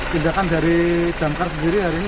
tindakan dari damkar sendiri hari ini